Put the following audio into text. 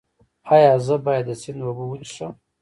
ایا زه باید د سیند اوبه وڅښم؟